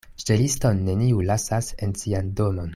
Ŝteliston neniu lasas en sian domon.